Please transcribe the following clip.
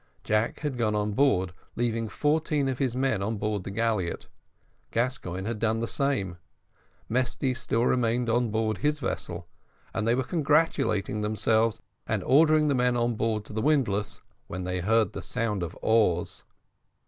Jack had gone on board, leaving fourteen of his men on board the galliot Gascoigne had done the same Mesty still remained on board his vessel; and they were congratulating themselves, and ordering the men on board to the windlass, when they heard the sound of oars.